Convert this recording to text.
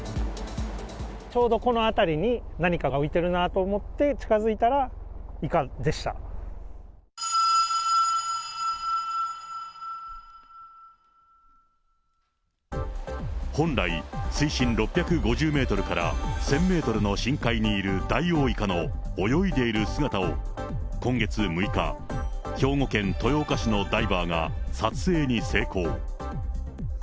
ちょうどこの辺りに、何かが浮いてるなと思って近づいたら、本来、水深６５０メートルから１０００メートルの深海にいるダイオウイカの泳いでいる姿を、今月６日、兵庫県豊岡市のダイバーが撮影に成功。